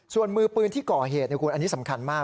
ส่วนมือปืนที่ก่อเหตุนะคุณอันนี้สำคัญมาก